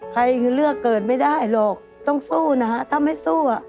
ใครคือเลือกเกิดไม่ได้หรอกต้องสู้นะฮะถ้าไม่สู้อ่ะ